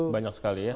banyak sekali ya